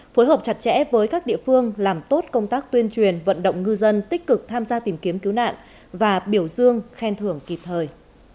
phối hợp chặt chẽ với các địa phương làm tốt công tác tuyên truyền vận động ngư dân tích cực tham gia tìm kiếm cứu nạn và biểu dương khen thưởng kịp thời